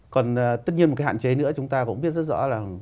còn tất nhiên một cái hạn chế nữa chúng ta cũng biết rất rõ là